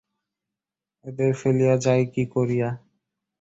এদের ফেলিয়া যাই কী করিয়া?